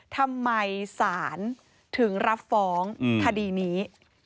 ทำไมศาลถึงรับฟ้องคดีนี้